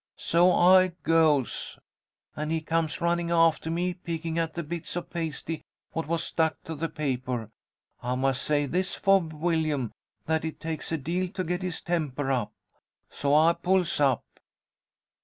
So I goes. And he comes running after me, picking at the bits of pasty what was stuck to the paper; I must say this for Willyum, that it takes a deal to get his temper up. So I pulls up.